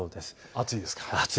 暑いです。